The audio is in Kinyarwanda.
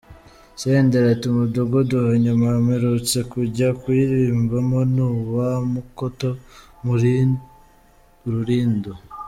Senderi ati “Umudugudu wa nyuma mperutse kujya kuririmbiramo ni uwa Mukoto muri Rulindo.